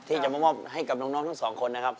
ที่จะมามอบให้กับน้องทั้งสองคนนะครับ